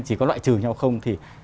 chỉ có loại trừ nhau không thì